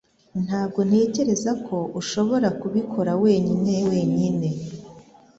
Ntabwo ntekereza ko ushobora kubikora wenyine wenyine